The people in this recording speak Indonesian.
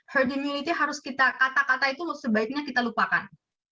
herd immunity harus kita kata kata itu sebaiknya kita lupakan